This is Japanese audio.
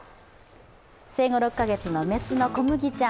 生後６か月の雌のこむぎちゃん。